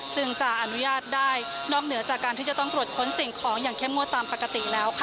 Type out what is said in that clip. จึงจะอนุญาตได้นอกเหนือจากการที่จะต้องตรวจค้นสิ่งของอย่างเข้มงวดตามปกติแล้วค่ะ